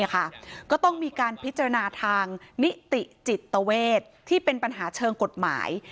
ก็ต้องมีการพิจารณาทางนิติจิตเวทที่เป็นปัญหาเชิงกฎหมาย